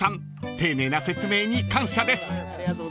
丁寧な説明に感謝です］